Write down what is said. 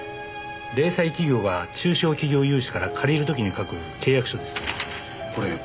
零細企業が中小企業融資から借りる時に書く契約書です。